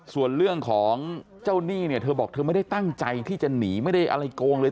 ส่วนเรื่องของเจ้าหนี้เนี่ยเธอบอกเธอไม่ได้ตั้งใจที่จะหนีไม่ได้อะไรโกงเลย